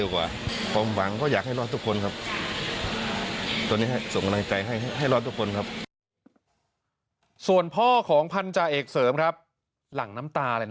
คครั้งที่แกให้รอดทุกคนครับส่วนพ่อของพันธาเอกเสริมครับหลังน้ำตาเลยน่ะ